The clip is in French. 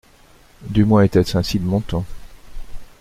Du moins était-ce ainsi de mon temps.